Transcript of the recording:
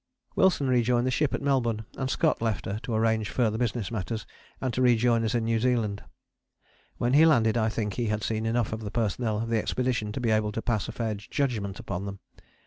Wilson rejoined the ship at Melbourne; and Scott left her, to arrange further business matters, and to rejoin in New Zealand. When he landed I think he had seen enough of the personnel of the expedition to be able to pass a fair judgment upon them.